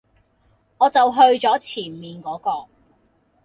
我就去左前面果個